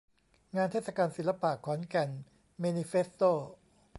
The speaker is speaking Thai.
งานเทศกาลศิลปะ ขอนแก่นเมนิเฟสโต้